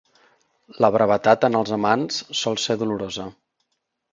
La brevetat en els amants sol ser dolorosa.